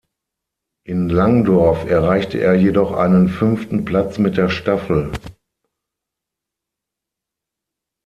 In Langdorf erreichte er jedoch einen fünften Platz mit der Staffel.